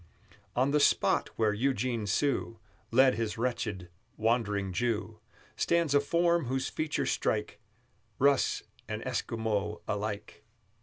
On the spot where Eugene Sue Led his wretched Wandering Jew, Stands a form whose features strike Russ and Esquimaux alike.